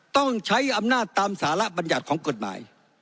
ต้องใช้อำนาจตามสารบัญญัติของกฎหมาย